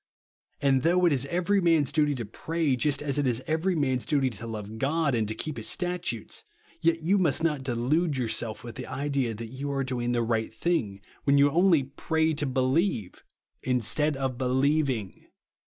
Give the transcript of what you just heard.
And though it is every man's duty to pray, just as it is every man's duty to love God and to keep his statutes, yet you must not delude yourself with the idea that you are doing the right thing, when you only 2'>'>'C('y to 5e lieve, instead of helievlng.